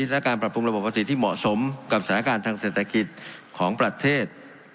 และการปรับปรุงระบบภาษีที่เหมาะสมกับสถานการณ์ทางเศรษฐกิจของประเทศ